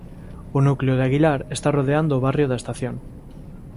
O núcleo de Aguilar está rodeando o barrio da estación.